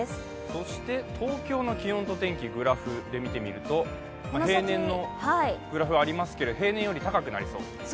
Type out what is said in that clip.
そして東京の気温と天気、グラフで見てみると平年のグラフありますけど、平年よりも高くなりそう。